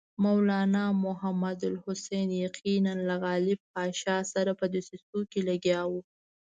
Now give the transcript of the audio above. مولنا محمود الحسن یقیناً له غالب پاشا سره په دسیسو لګیا وو.